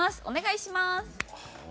お願いします！